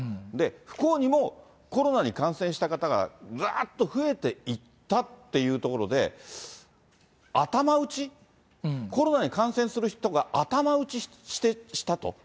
不幸にもコロナに感染した方がぶわーっと増えていったっていうところで、頭打ち、コロナに感染する人が頭打ちしたと。